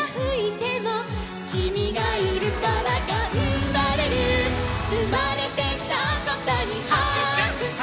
「キミがいるからがんばれる」「うまれてきたことにはくしゅ」「」